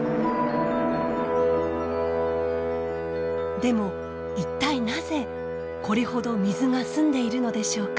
でも一体なぜこれほど水が澄んでいるのでしょうか？